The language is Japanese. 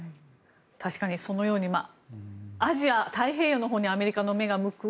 確かにそのようにアジア、太平洋のほうにアメリカの目が行く。